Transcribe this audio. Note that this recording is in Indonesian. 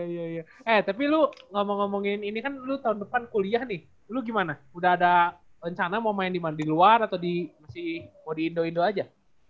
iya tapi lu ngomong ngomongin ini kan lu tahun depan kuliah nih lu gimana udah ada rencana mau main di mana di luar atau di indoh indoh aja